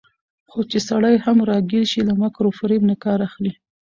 خو چې سړى هم راګېر شي، له مکر وفرېب نه کار اخلي